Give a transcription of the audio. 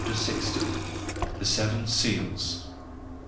_ LX. THE SEVEN SEALS.